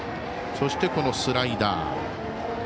そしてスライダー。